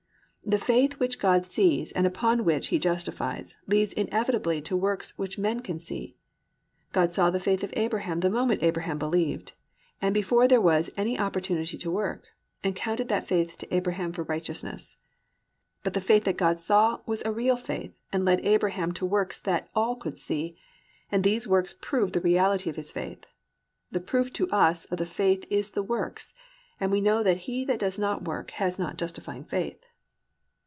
The faith which God sees and upon which He justifies, leads inevitably to works which men can see. God saw the faith of Abraham the moment Abraham believed, and before there was any opportunity to work, and counted that faith to Abraham for righteousness. But the faith that God saw was a real faith and led Abraham to works that all could see, and these works proved the reality of his faith. The proof to us of the faith is the works, and we know that he that does not work has not justifying faith.